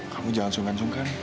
kamu jangan sungkan sungkan